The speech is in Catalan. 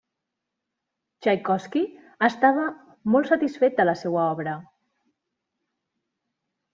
Txaikovski estava molt satisfet de la seua obra.